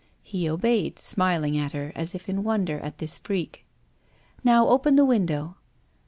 He obeyed, smiling at her as if in wonder at this freak. " Now open the window."